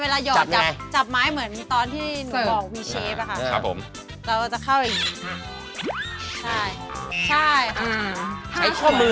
ไม่อย่างนี้ห้ามเลยสดือ